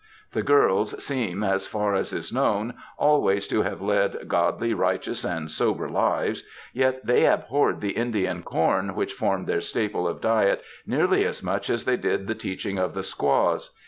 The girls seem, as far as is known, always to have led ^^ godly, righteous, and sober lives,^ yet they abhorred the Indian com which formed their staple of diet nearly as much as they did the teaching of the squaws.